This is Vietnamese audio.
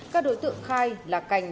các đối tượng khai là cành